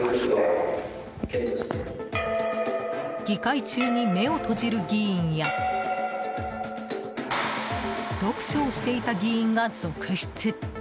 議会中に目を閉じる議員や読書をしていた議員が続出。